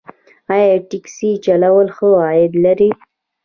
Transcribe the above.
آیا ټکسي چلول ښه عاید لري؟